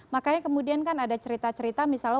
makanya kemudian kan ada cerita cerita misalnya